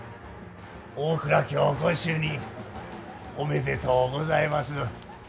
大蔵卿ご就任おめでとうございます。